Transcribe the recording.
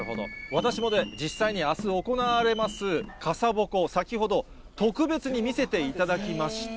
私もね、実際あす行われます傘鉾、先ほど特別に見せていただきました。